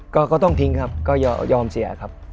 ก็ต้องทิ้งครับก็ยอมเสียครับ